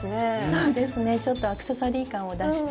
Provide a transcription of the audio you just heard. そうですねちょっとアクセサリー感を出して。